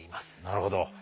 なるほど。